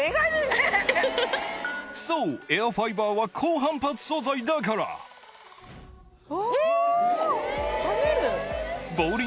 そうエアファイバーは高反発素材だからえ！